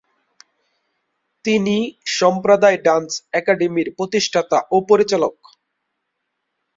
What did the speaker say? তিনি "সম্প্রদায় ডান্স একাডেমি-"র প্রতিষ্ঠাতা ও পরিচালক।